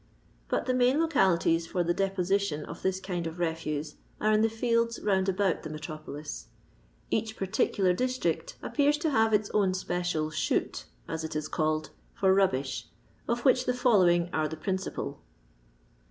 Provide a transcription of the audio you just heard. But the main localities for the deposition of this kind of refuse are in the fields round about the metropolis. Each particular district appears to have its own special " shoot, as it is called, for mb bish, of which the following are the principal.